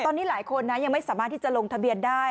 ตอนนี้หลายคนนะยังไม่สามารถที่จะลงทะเบียนได้